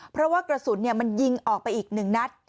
เพราะว่ากระสุนมันยิงออกไปอีก๑นัด